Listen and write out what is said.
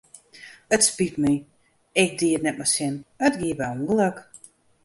It spyt my, ik die it net mei sin, it gie by ûngelok.